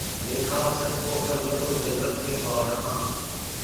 دیکھا اسدؔ کو خلوت و جلوت میں بار ہا